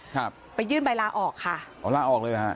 ครับไปยื่นใบลาออกค่ะอ๋อลาออกเลยเหรอฮะ